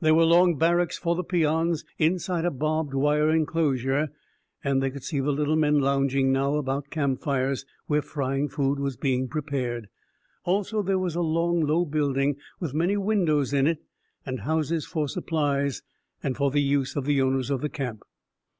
There were long barracks for the peons, inside a barbed wire enclosure, and they could see the little men lounging now about campfires, where frying food was being prepared. Also, there was a long, low building with many windows in it, and houses for supplies and for the use of the owners of the camp.